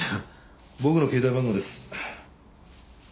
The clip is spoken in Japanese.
僕の携帯番号です。